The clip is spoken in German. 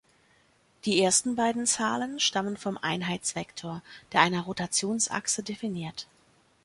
Die ersten beiden Zahlen stammen vom Einheitsvektor, der eine Rotationsachse definiert.